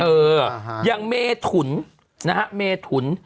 เอออย่างเมถุนนะฮะเมถุน